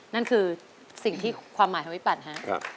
นั่นคือสิ่งที่ความหมายของพี่ปั่นครับ